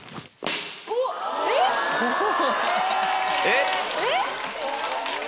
えっ⁉えっ？